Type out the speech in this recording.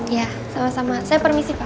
ya sama sama saya permisi pak